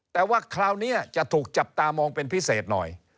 แต่ว่าคราวนี้จะถูกจับตามองเป็นพิเศษหน่อย